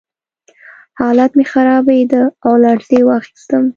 حالت مې خرابېده او لړزې واخیستم